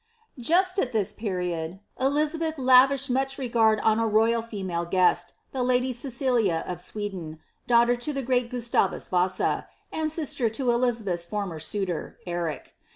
Just at thw period, Elizabeth lavished much regard on a royal female the lady Cecilia of Sweden, daughter to the great Gustavus Vasa, and ffister to Elizabeth's former suitor, Eric.